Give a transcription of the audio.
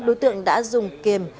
đối tượng đã dùng kiềm